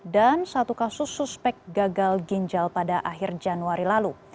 dan satu kasus suspek gagal ginjal pada akhir januari lalu